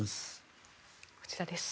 こちらです。